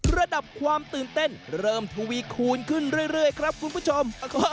ระดับความตื่นเต้นเริ่มทวีคูณขึ้นเรื่อยครับคุณผู้ชม